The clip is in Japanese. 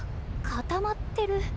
固まってる。